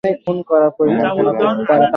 আমাকে জানাবে কে?